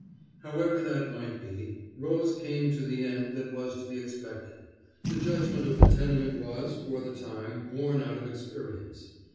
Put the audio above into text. However that might be, Rose came to the end that was to be expected. The judgment of the tenement was, for the time, borne out by experience.